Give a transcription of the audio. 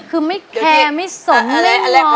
คือไม่แคร์ไม่สมนิยมหรอ